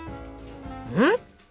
うん？